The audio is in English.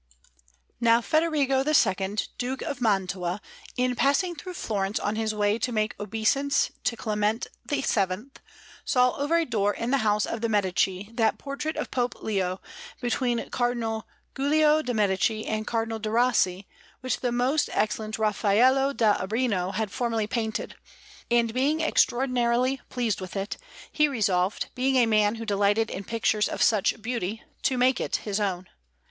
Now Federigo II, Duke of Mantua, in passing through Florence on his way to make obeisance to Clement VII, saw over a door in the house of the Medici that portrait of Pope Leo between Cardinal Giulio de' Medici and Cardinal de' Rossi, which the most excellent Raffaello da Urbino had formerly painted; and being extraordinarily pleased with it, he resolved, being a man who delighted in pictures of such beauty, to make it his own.